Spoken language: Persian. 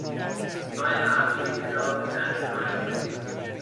جای معمولی گدا در کنار خیابان